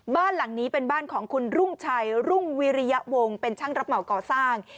บ้านหลังนี้เป็นบ้านของคุณรุ่งชัยรุ่งวิริยะวงเป็นช่างรับเหมาก่อสร้าง